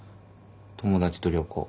友達と旅行。